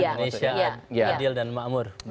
indonesia adil dan makmur